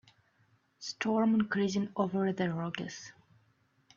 Storm increasing over the Rockies.